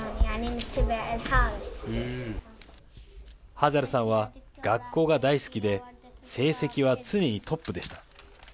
ハザルさんは学校が大好きで、成績は常にトップでした。